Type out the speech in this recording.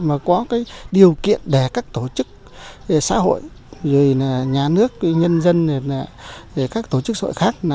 mà có điều kiện để các tổ chức xã hội nhà nước nhân dân các tổ chức xã hội khác